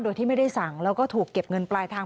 โดยที่ไม่ได้สั่งแล้วก็ถูกเก็บเงินปลายทาง